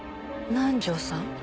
南条さん？